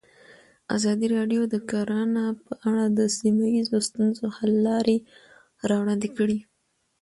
ازادي راډیو د کرهنه په اړه د سیمه ییزو ستونزو حل لارې راوړاندې کړې.